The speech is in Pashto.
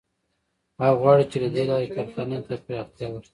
هغه غواړي چې له دې لارې کارخانې ته پراختیا ورکړي